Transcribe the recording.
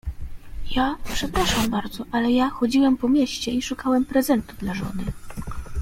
Ja, przepraszam bardzo, ale ja chodziłem po mieście i szukałem prezentu dla żony.